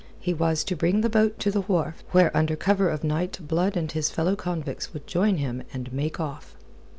He was to bring the boat to the wharf, where under cover of night Blood and his fellow convicts would join him and make off.